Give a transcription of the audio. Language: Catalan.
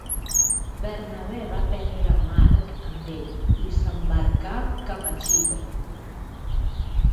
Bernabé va prendre Marc amb ell i s'embarcà cap a Xipre.